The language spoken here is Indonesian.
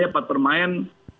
yang bisa bermain